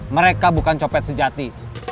mereka bukan copet sejati